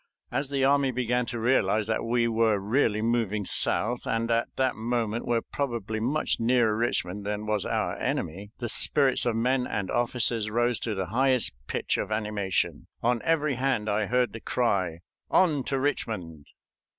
As the army began to realize that we were really moving south, and at that moment were probably much nearer Richmond than was our enemy, the spirits of men and officers rose to the highest pitch of animation. On every hand I heard the cry, "On to Richmond!"